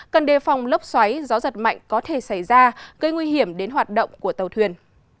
cần đề phòng lốc xoáy gió giật mạnh có thể xảy ra gây nguy hiểm đến hoạt động của tàu thuyền